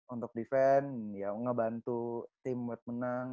untuk defense ya ngebantu tim buat menang